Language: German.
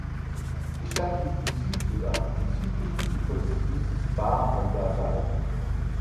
Die Stadt liegt im Südsudan, am südlichen Ufer des Flusses Bahr al-Ghazal.